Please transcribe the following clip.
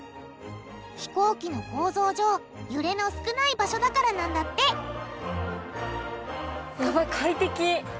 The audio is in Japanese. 飛行機の構造上揺れの少ない場所だからなんだってやばい快適。